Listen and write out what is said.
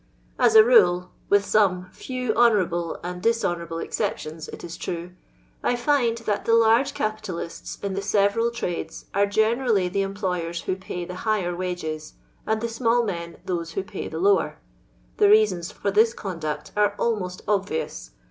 As a rule (with some few honourable and dis honourable exceptions, it is true) I find that the large capitalists in the several trades are generally the employers who pay the higher wages, and the small men those who pay the Tower. The reiuons for this conduct arc nlnmst obTious.